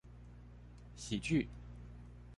喜劇